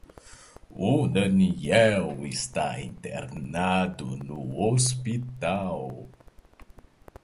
O Daniel está internado no Hospital